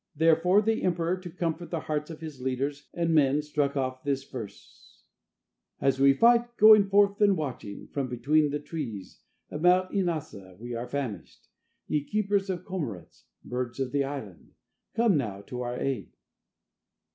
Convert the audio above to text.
Therefore the emperor, to comfort the hearts of his leaders and men, struck off this verse: "As we fight Going forth and watching From between the trees Of Mount Inasa, We are famished. Ye keepers of cormorants (Birds of the island) Come now to our aid."